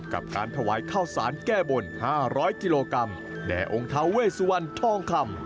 กับการถวายข้าวสารแก้บน๕๐๐กิโลกรัมแด่องค์ท้าเวสวันทองคำ